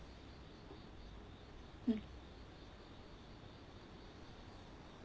うん。